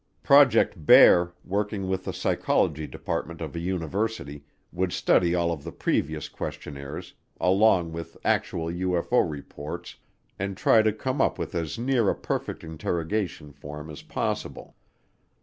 Project Bear, working with the psychology department of a university, would study all of the previous questionnaires, along with actual UFO reports, and try to come up with as near a perfect interrogation form as possible.